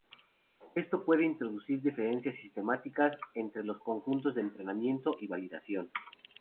Esto puede introducir diferencias sistemáticas entre los conjuntos de entrenamiento y validación.